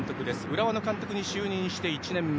浦和の監督に就任して１年目。